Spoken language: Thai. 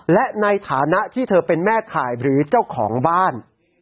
และในฐานะที่เธอเป็นแม่ข่ายหรือเจ้าของบ้าน